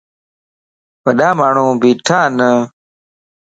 وڏا ماڻهون ٻيٽان